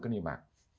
cái này mà